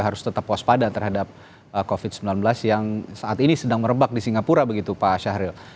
harus tetap waspada terhadap covid sembilan belas yang saat ini sedang merebak di singapura begitu pak syahril